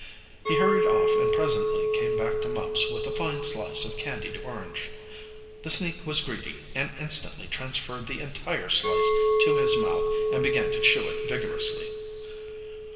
He hurried off, and presently came back to Mumps with a fine slice of candied orange. The sneak was greedy, and instantly transferred the entire slice to his mouth and began to chew it vigorously.